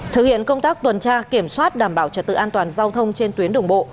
thực hiện công tác tuần tra kiểm soát đảm bảo trật tự an toàn giao thông trên tuyến đường bộ